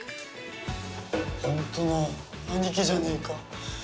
ほんとの兄貴じゃねえか。